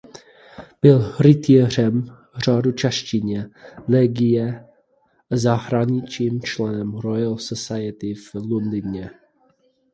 Byl rytířem řádu Čestné legie a zahraničním členem Royal Society v Londýně.